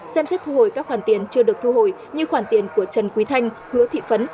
xem xét thu hồi các khoản tiền chưa được thu hồi như khoản tiền của trần quý thanh hứa thị phấn